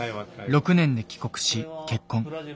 ６年で帰国し結婚。